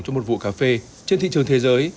cho một vụ cà phê trên thị trường thế giới